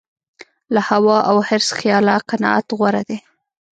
له هوا او حرص خیاله قناعت غوره دی.